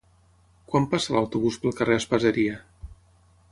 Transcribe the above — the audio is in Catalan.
Quan passa l'autobús pel carrer Espaseria?